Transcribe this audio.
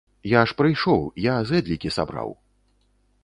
Я ж прыйшоў, я зэдлікі сабраў.